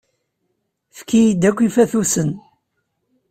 Efk-iyi-d akk ifatusen.